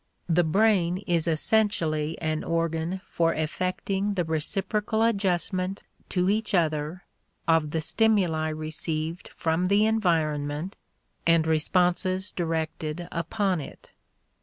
The brain is essentially an organ for effecting the reciprocal adjustment to each other of the stimuli received from the environment and responses directed upon it.